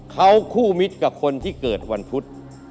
เขาคู่มิตรกับคนที่เกิดวันพุธ